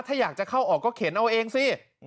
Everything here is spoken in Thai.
ถ้าอยากจะเข้าออกก็เข็นเอาเองสิ